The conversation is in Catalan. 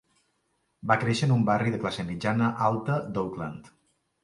Va créixer en un barri de classe mitjana alta d'Oakland.